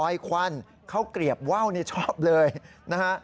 อ้อยขวัญเค้าเกลียบว้าวชอบเลยนะฮะ